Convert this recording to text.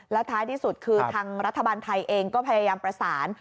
แล้วท้ายที่สุดคือทางรัฐบาลไทยเองก็พยายามประสาน